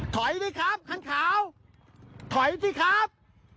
ถอยสิครับคันขาวถอยสิครับ